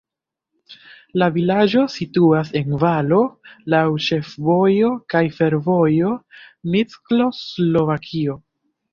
La vilaĝo situas en valo, laŭ ĉefvojo kaj fervojo Miskolc-Slovakio.